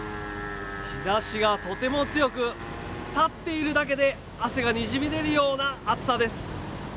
日ざしがとても強く、立っているだけで汗がにじみ出るような暑さです。